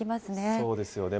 そうですよね。